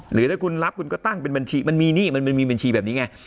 หรือถ้าคุณรับคุณก็ตั้งเป็นบัญชีมันมีนี่มันมีบัญชีแบบนี้ไง